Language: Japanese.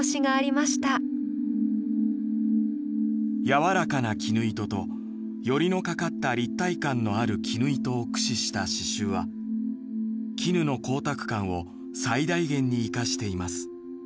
「やわらかな絹糸とよりのかかった立体感のある絹糸を駆使した刺しゅうは絹の光沢感を最大限に生かしています。